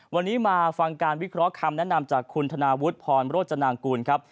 วันนี้มาฟังการวิเคราะห์คำแนะนำจากคุณธนาวุฒิพรโรจนางกูลครับ